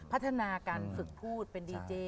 พัฒนาการฝึกพูดเป็นดีเจ